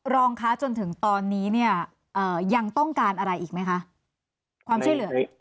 รองคะจนถึงตอนนี้เนี่ยยังต้องการอะไรอีกไหมคะความช่วยเหลือ